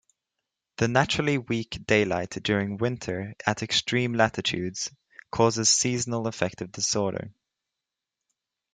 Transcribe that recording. The naturally weak daylight during winter at extreme latitudes causes Seasonal affective disorder.